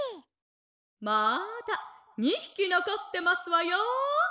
「まだ２ひきのこってますわよ」。